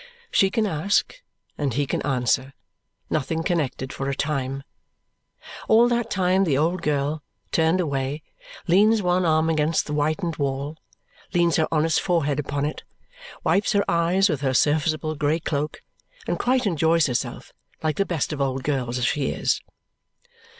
She can ask, and he can answer, nothing connected for a time. All that time the old girl, turned away, leans one arm against the whitened wall, leans her honest forehead upon it, wipes her eyes with her serviceable grey cloak, and quite enjoys herself like the best of old girls as she is.